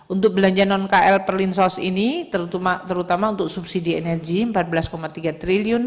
untuk belanja non kl per linsos ini terutama untuk subsidi energi rp empat belas tiga triliun